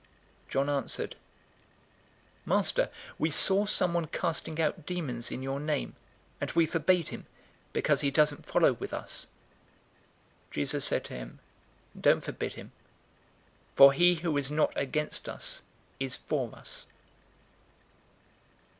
009:049 John answered, "Master, we saw someone casting out demons in your name, and we forbade him, because he doesn't follow with us." 009:050 Jesus said to him, "Don't forbid him, for he who is not against us is for us."